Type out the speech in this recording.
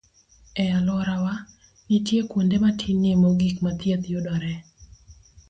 E alworawa, nitie kuonde matinie mogik ma thieth yudoree